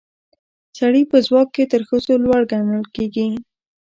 سړي په ځواک کې تر ښځو لوړ ګڼل کیږي